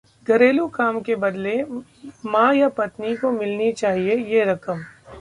घरेलू काम के बदले मां या पत्नी को मिलनी चाहिए ये रकम...